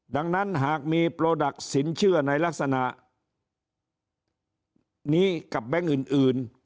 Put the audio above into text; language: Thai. ดังนั้นหากมีโปรดักต์สินเชื่อในลักษณะนี้กับแบงค์อื่น